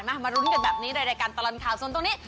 มาลุ้นกันแบบนี้โดยรายการตลันข่าวโซนตรงนี้